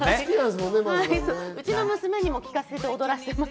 うちの娘にも聞かせて踊らせてます。